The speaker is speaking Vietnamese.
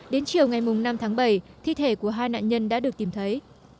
đến chiều ngày năm tháng bảy thi thể của hai nạn nhân đã được tìm thấy